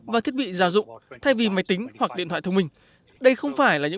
và thiết bị gia dụng thay vì máy tính hoặc điện thoại thông minh